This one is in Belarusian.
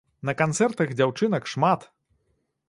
На канцэртах дзяўчынак шмат!